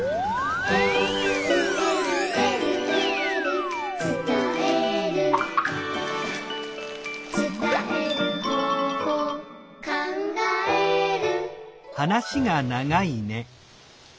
「えるえるえるえる」「つたえる」「つたえる方法」「かんがえる」